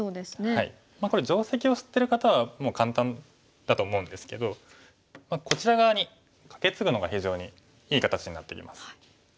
これ定石を知ってる方はもう簡単だと思うんですけどこちら側にカケツグのが非常にいい形になってきます。